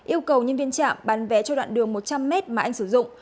yêu cầu nhân viên trạm bán vé cho đoạn đường một trăm linh m mà anh sử dụng